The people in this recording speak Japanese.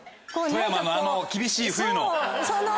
富山のあの厳しい冬の。